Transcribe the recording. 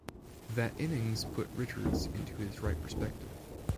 That innings put Richards into his right perspective.